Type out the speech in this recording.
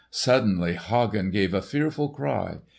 Suddenly Hagen gave a fearful cry.